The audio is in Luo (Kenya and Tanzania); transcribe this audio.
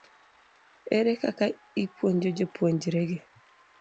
ere kaka ipuonjo jopuonjregi?